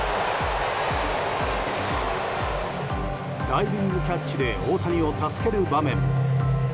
ダイビングキャッチで大谷を助ける場面も。